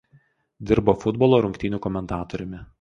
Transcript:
Dirba futbolo rungtynių komentatoriumi.